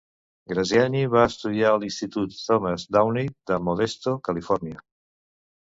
Graziani va estudiar a l'Institut Thomas Downey de Modesto, Califòrnia.